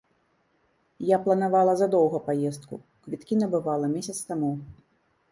Я планавала задоўга паездку, квіткі набывала месяц таму.